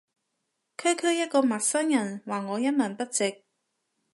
區區一個陌生人話我一文不值